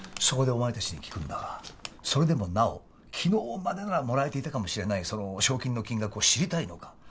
そこでお前たちに聞くんだがそれでもなお昨日までならもらえていたかもしれないその賞金の金額を知りたいのか。